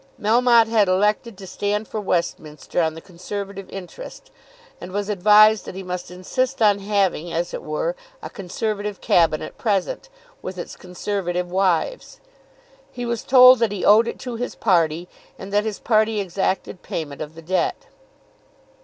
Melmotte had elected to stand for Westminster on the Conservative interest, and was advised that he must insist on having as it were a Conservative cabinet present, with its Conservative wives. He was told that he owed it to his party, and that his party exacted payment of the debt.